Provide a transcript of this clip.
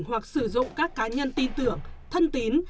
hoặc sử dụng các cá nhân tin tưởng thân tín